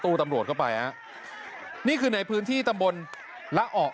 ตำรวจเข้าไปฮะนี่คือในพื้นที่ตำบลละออก